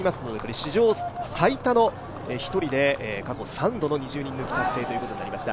史上最多の１人で過去３度の２０人抜き達成ということになりました。